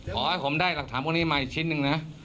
ขอให้ผมได้หลักฐานพวกนี้มาอีกชิ้นหนึ่งนะ